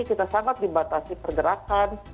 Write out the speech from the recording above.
kita sangat dibatasi pergerakan